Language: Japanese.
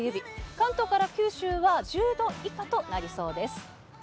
関東から九州は１０度以下となりそうです。